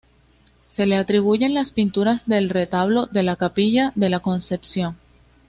Se le atribuyen las pinturas del retablo de la capilla de la Concepción.